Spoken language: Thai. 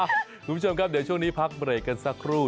คุณผู้ชมครับเดี๋ยวช่วงนี้พักเบรกกันสักครู่